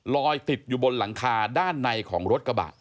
ลอยติดอยู่บนหลังคาด้านในของรถกระบะ